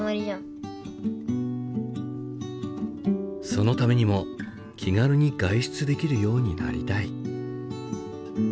そのためにも気軽に外出できるようになりたい。